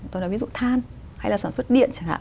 tôi nói ví dụ than hay là sản xuất điện chẳng hạn